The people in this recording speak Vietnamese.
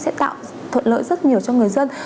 sẽ tạo thuận lợi rất nhiều cho người dân